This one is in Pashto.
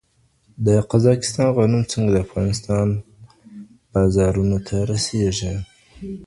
د قزاقستان غنم څنګه د افغانستان بازارونو ته رسېږي؟